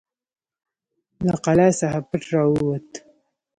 له قلا څخه پټ راووت.